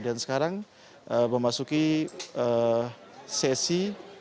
dan sekarang memasuki sesi